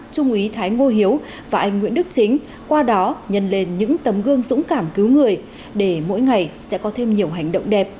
trung úy thái ngô hiếu và anh nguyễn đức chính qua đó nhân lên những tấm gương dũng cảm cứu người để mỗi ngày sẽ có thêm nhiều hành động đẹp